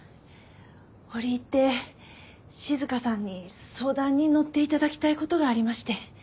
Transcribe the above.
折り入って静さんに相談にのって頂きたい事がありまして。